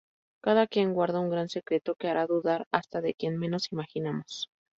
Cada quien guarda un gran secreto que hará dudar hasta de quien menos imaginamos.